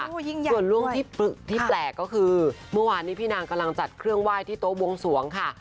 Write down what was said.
ส่วนเรื่องที่แปลกก็คือเมื่อวานนี้พี่นางกำลังจัดเครื่องไหว้ที่โต๊ะบวงสวงค่ะ